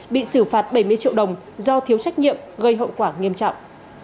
bị xử phạt bảy mươi triệu đồng do thiếu trách nhiệm gây hậu quả nghiêm trọng